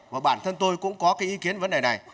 và bản thân tôi cũng có cái ý kiến vấn đề này